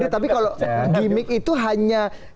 tapi kalau gimmick itu hanya